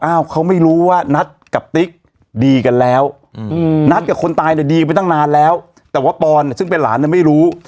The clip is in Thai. เขาไม่รู้ว่านัทกับติ๊กดีกันแล้วนัทกับคนตายเนี่ยดีไปตั้งนานแล้วแต่ว่าปอนซึ่งเป็นหลานเนี่ยไม่รู้